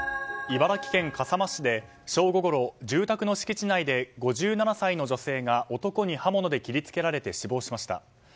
茨城県笠間市で正午ごろ住宅の敷地内で５７歳の女性が男に刃物で切り付けられて死亡しました。